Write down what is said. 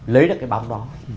lấy được cái bóng đó